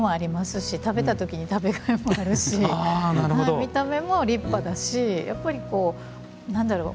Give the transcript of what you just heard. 見た目も立派だしやっぱりこう何だろう。